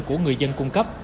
của người dân cung cấp